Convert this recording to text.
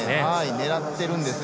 狙っているんですね。